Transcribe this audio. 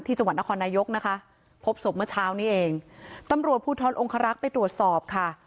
จังหวัดนครนายกนะคะพบศพเมื่อเช้านี้เองตำรวจภูทรองคารักษ์ไปตรวจสอบค่ะ